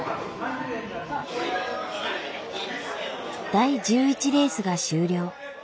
第１１レースが終了。